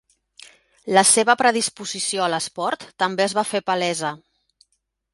La seva predisposició a l'esport també es va fer palesa.